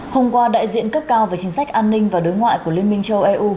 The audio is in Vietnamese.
hôm qua đại diện cấp cao về chính sách an ninh và đối ngoại của liên minh châu âu